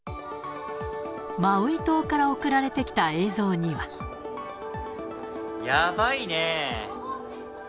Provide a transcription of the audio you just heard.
マウイ島から送られてきた映やばいね。